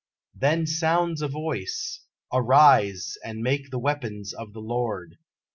Then sounds a Voice, "Arise, and make the weapons of the Lord!"